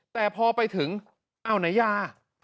แต่พอไปถึงอ้าวไหนยา